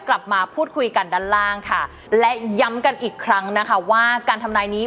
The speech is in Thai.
กลับมาพูดคุยกันด้านล่างค่ะและย้ำกันอีกครั้งนะคะว่าการทำนายนี้